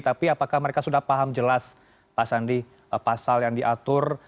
tapi apakah mereka sudah paham jelas pak sandi pasal yang diatur